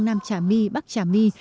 nam trà my bắc trà my